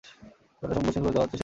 যতটা সম্ভব মসৃণ করে তোলা হচ্ছে সেটি।